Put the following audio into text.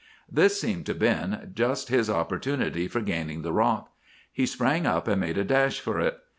"This seemed to Ben just his opportunity for gaining the rock. He sprang up and made a dash for it.